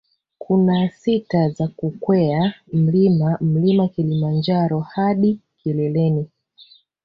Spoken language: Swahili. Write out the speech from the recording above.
Kuna sita za kukwea mlima mlima kilimanjaro hadi kileleni